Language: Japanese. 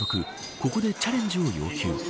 ここでチャレンジを要求。